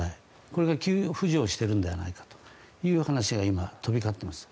これが急浮上しているのではないかという話が今飛び交っています。